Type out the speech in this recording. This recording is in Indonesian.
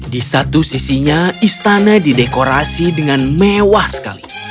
di satu sisinya istana didekorasi dengan mewah sekali